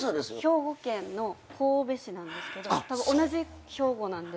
兵庫県の神戸市なんですけどたぶん同じ兵庫なんで。